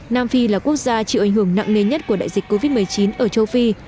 nam phi là quốc gia chịu ảnh hưởng nặng nề nhất của đại dịch covid một mươi chín ở châu phi